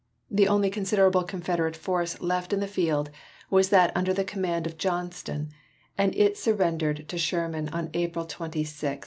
The only considerable Confederate force left in the field was that under command of Johnston, and it surrendered to Sherman on April 26, 1865.